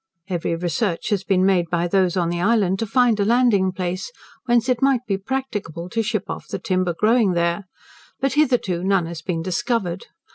Every research has been made by those on the island to find a landing place, whence it might be practicable to ship off the timber growing there, but hitherto none has been discovered.